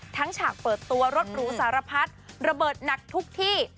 ฉากเปิดตัวรถหรูสารพัดระเบิดหนักทุกที่